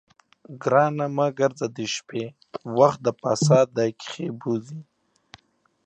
ګرانه مه ګرځه د شپې، وخت د فساد دي کښې بوځې